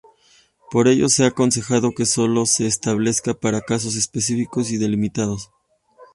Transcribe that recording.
Por ello se ha aconsejado que solo se establezca para casos específicos y delimitados.